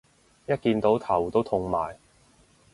一見到頭都痛埋